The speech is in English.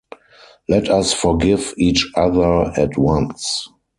Let us forgive each other at once.